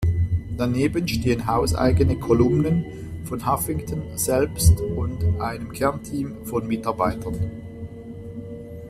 Daneben stehen hauseigene Kolumnen von Huffington selbst und einem Kernteam von Mitarbeitern.